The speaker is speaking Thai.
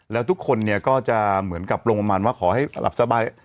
และทุกคนเมืองกับลงประมาณขอให้หลับสบาย